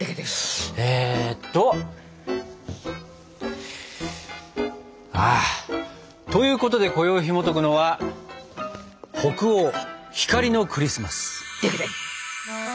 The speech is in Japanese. えっと。ということでこよいひもとくのは「北欧光のクリスマス」。